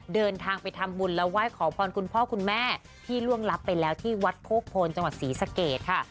เดินทางไปทำบุญและไหว้ขอพรคุณพ่อคุณแม่ที่ล่วงลับไปแล้วที่วัดโคกโพนจังหวัดศรีสะเกดค่ะ